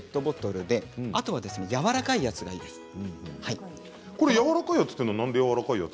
なんでやわらかいやつがいいんですか？